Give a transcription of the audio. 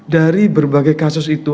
dari berbagai kasus itu